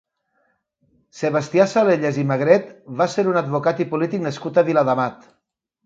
Sebastià Salellas i Magret va ser un advocat i polític nascut a Viladamat.